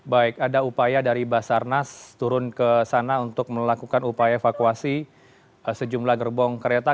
baik ada upaya dari basarnas turun ke sana untuk melakukan upaya evakuasi sejumlah gerbong kereta